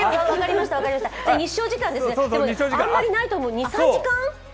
日照時間あんまりないと思う、２３時間？